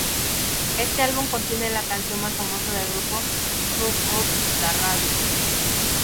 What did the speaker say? Este álbum contiene la canción más famosa del grupo, "Turn Up The Radio".